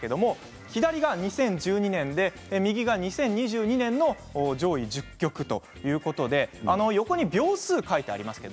左が２０１２年で右が２０２２年の上位１０曲ということで横に秒数が書いてあります。